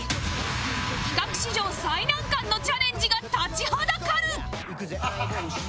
企画史上最難関のチャレンジが立ちはだかる！